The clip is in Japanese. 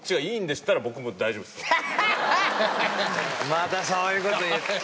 またそういうこと言って。